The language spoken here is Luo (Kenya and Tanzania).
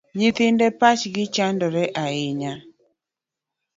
Nyithinde pachgi chandore ahinya